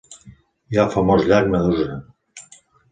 Hi ha el famós llac Medusa.